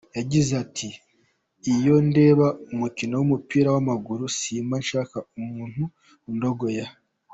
Yagize ati “Iyo ndeba umukino w’umupira w’amaguru, simba nshaka umuntu undogoya.